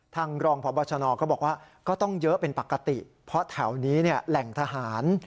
รองพบชนก็บอกว่าก็ต้องเยอะเป็นปกติเพราะแถวนี้แหล่งทหาร